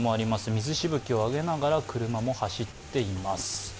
水しぶきを上げながら車も走っています。